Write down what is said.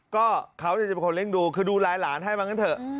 ก็เขาจะเป็นคนเลี้ยงดูคือดูลายหลานให้มางั้นเถอะ